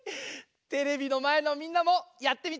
テレビのまえのみんなもやってみてね！